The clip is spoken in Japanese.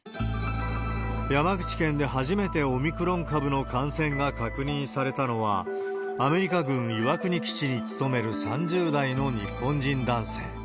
山口県で初めてオミクロン株の感染が確認されたのは、アメリカ軍岩国基地に勤める３０代の日本人男性。